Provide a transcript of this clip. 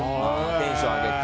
テンション上げて。